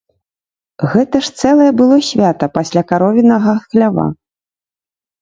Гэта ж цэлае было свята пасля каровінага хлява.